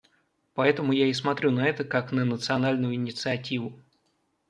Поэтому я и смотрю на это как на национальную инициативу.